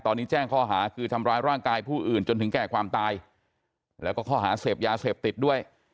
ตอนนี้แจ้งข้อหาคือทำร้ายร่างกายผู้อื่นจนถึงแก่ความตายแล้วก็ข้อหาเสพยาเสพติดด้วย